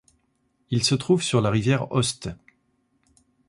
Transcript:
Il se trouve sur la rivière Oste.